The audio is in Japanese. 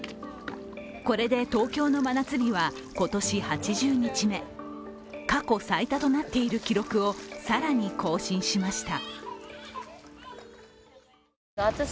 これで東京の真夏日は今年８０日目、過去最多となっている記録を更に更新しました。